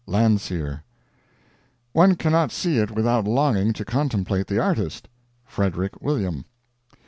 Landseer. One cannot see it without longing to contemplate the artist. Frederick William.